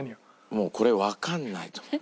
もうこれわかんないと思う。